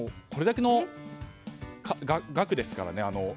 これだけの額ですからね。